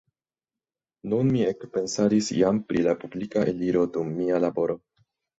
Nun mi ekpensadis jam pri la publika eliro kun mia laboro.